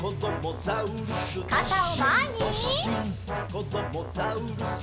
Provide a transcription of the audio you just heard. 「こどもザウルス